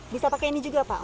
bisa pakai ini juga pak